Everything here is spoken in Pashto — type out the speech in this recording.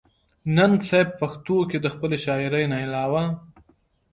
ننګ صېب پښتو کښې َد خپلې شاعرۍ نه علاوه